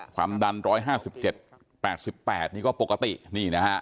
๘๓๑ความดัน๑๕๗๘๘นี่ก็ปกติ